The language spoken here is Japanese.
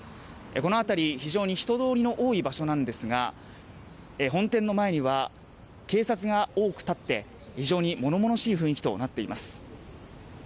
この辺り、非常に人通りの多い場所なんですが本店の前には警察が多く立って非常に物々しい雰囲気となっています。